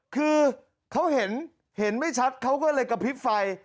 คือเขาเห็นเห็นไม่ชัดเขาก็เลยกระพริบไฟ